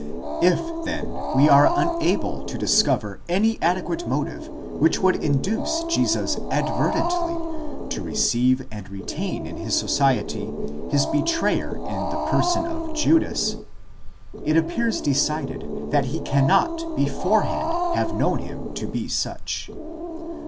If then we are unable to discover any adequate motive which could induce Jesus advertently to receive and retain in his society his betrayer in the person of Judas: it appears decided that he cannot beforehand have known him to be such.